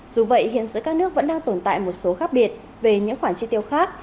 dù vậy hiện giữa các nước vẫn đang tồn tại một số khác biệt về những khoản chi tiêu khác